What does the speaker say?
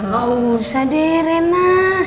gak usah deh rena